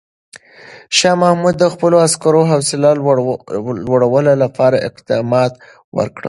شاه محمود د خپلو عسکرو حوصله لوړولو لپاره اقدامات وکړل.